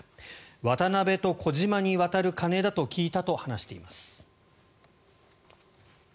ワタナベとコジマに渡る金だと聞いたと話しています。